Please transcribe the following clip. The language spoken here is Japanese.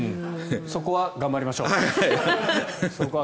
そこは頑張りましょう。